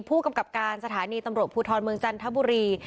ผู้กำกับการสถานีตำรวจภูทรเมืองจันทบุรี